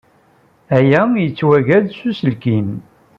Aya yettweg-d s uselkim.